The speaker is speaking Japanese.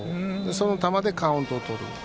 その球でカウントをとる。